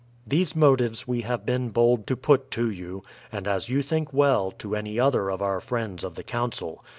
* These motives we have been bold to put to you, and, as you think well, to any other of our friends of the Council.